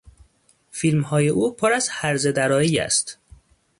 فیلمهای او پر از هرزه درایی است.